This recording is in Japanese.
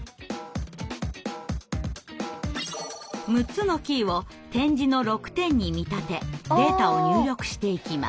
６つのキーを点字の６点に見立てデータを入力していきます。